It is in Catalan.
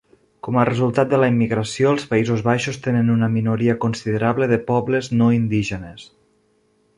Com a resultat de la immigració, els Països Baixos tenen una minoria considerable de pobles no indígenes.